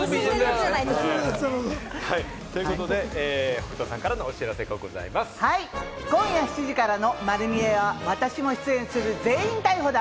北斗さんからのお知らせがご今夜７時からの『まる見え！』は私も出演する全員逮捕だ！